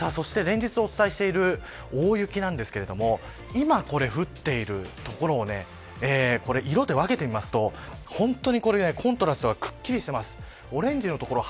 そして連日お伝えしている大雪ですが今降っている所を色で分けてみますと本当にコントラストがくっきりしています。